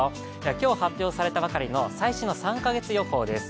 今日発表されたばかりの最新の３か月予報です。